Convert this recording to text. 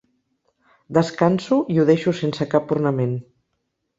Descanso i ho deixo sense cap ornament.